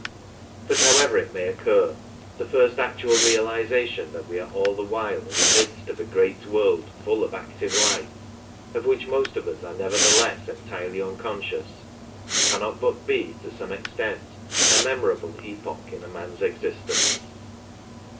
But, however it may occur, the first actual realization that we are all the while in the midst of a great world full of active life, of which most of us are nevertheless entirely unconscious, can not but be to some extent a memorable epoch in a man's existence.